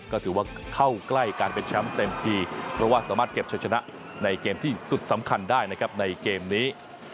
ก็ถือว่าเข้าใกล้การเป็นแชมป์เต็มทีเพราะว่าสามารถเก็บชะชนะในเกมที่สุดสำคัญได้นะครับในเกมนี้